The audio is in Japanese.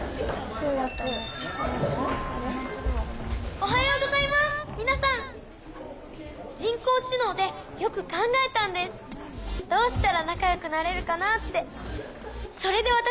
おはようございます皆さん人工知能でよく考えたんですどうしたら仲良くなれるかなってそれで私